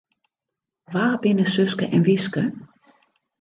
Wa binne Suske en Wiske?